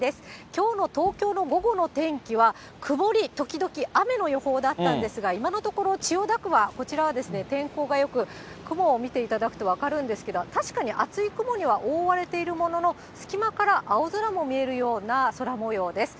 きょうの東京の午後の天気は、曇り時々雨の予報だったんですが、今のところ、千代田区はこちらは天候がよく、雲を見ていただくと分かるんですけど、確かに厚い雲には覆われているものの、隙間から青空も見えるような空もようです。